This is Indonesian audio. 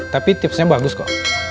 tapi tipsnya bagus kok